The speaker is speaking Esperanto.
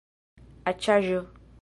aĉaĵo